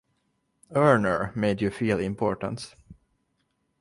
Urner made you feel important.